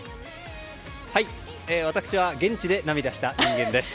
私は現地で涙した人間です。